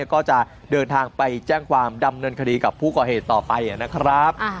ก็จะเดินทางไปแจ้งความดำเนินคดีกับผู้ก่อเหตุต่อไปนะครับ